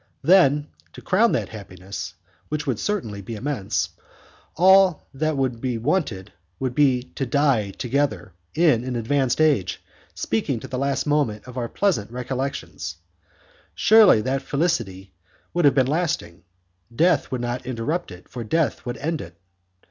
Then, to crown that happiness, which would certainly be immense, all that would be wanted would be to die together, in an advanced age, speaking to the last moment of our pleasant recollections. Surely that felicity would have been lasting. Death would not interrupt it, for death would end it.